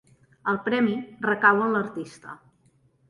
El premi recau en l'artista.